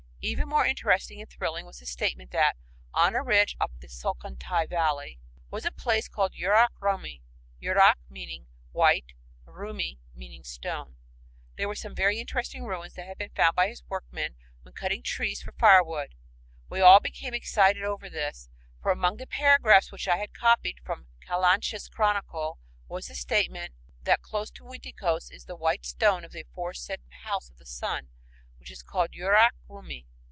Even more interesting and thrilling was his statement that on a ridge up the Salcantay Valley was a place called Yurak Rumi (yurak = "white"; rumi = "stone") where some very interesting ruins had been found by his workmen when cutting trees for firewood. We all became excited over this, for among the paragraphs which I had copied from Calancha's "Chronicle" was the statement that "close to Uiticos" is the "white stone of the aforesaid house of the Sun which is called Yurak Rumi."